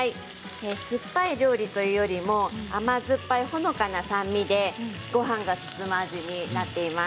酸っぱい料理というよりも甘酸っぱいほのかな酸味でごはんが進む味になっています。